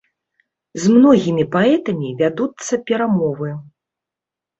З многімі паэтамі вядуцца перамовы.